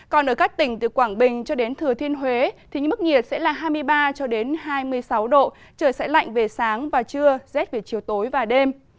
còn ở các tỉnh từ quảng bình cho đến thừa thiên huế thì mức nhiệt sẽ là hai mươi ba hai mươi sáu độ trời sẽ lạnh về sáng và trưa rét về chiều tối và đêm